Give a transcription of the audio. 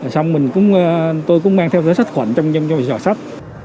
xong mình cũng tôi cũng mang theo giới sách quận trong giọt sách